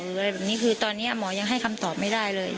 อะไรแบบนี้คือตอนนี้หมอยังให้คำตอบไม่ได้เลย